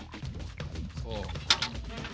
そう。